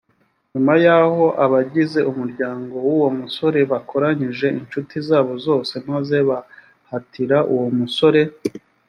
nyuma yaho abagize umuryango w uwo musore bakoranyije incuti zabo zose maze bahatira uwo musore